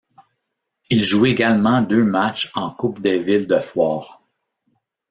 Il joue également deux matchs en Coupe des villes de foires.